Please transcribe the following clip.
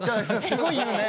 すごい言うね！